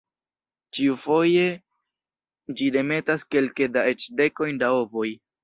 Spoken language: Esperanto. Ĉiufoje ĝi demetas kelke da eĉ dekojn da ovoj.